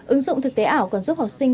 ứng dụng thực tế ảo còn giúp học sinh